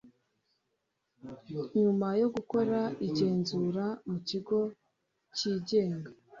nyuma yo gukora igenzura mu kigo cyigenga